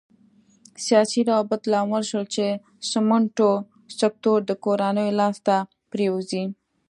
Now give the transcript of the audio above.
سیاسي روابط لامل شول چې سمنټو سکتور د کورنیو لاس ته پرېوځي.